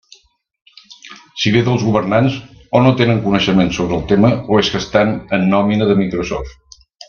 Si ve dels governants, o no tenen coneixement sobre el tema o és que estan en nòmina de Microsoft.